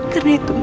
karena itu mas